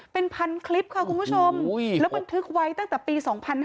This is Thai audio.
เป็นพันคลิปค่ะคุณผู้ชมแล้วบันทึกไว้ตั้งแต่ปี๒๕๕๙